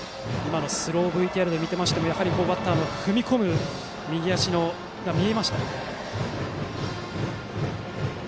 スローＶＴＲで見ましてもバッターの踏み込む右足が見えました。